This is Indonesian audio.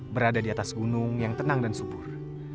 berada di atas gunung yang tenang dan subur